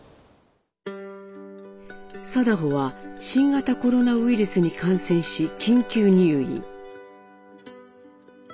禎穗は新型コロナウイルスに感染し緊急入院。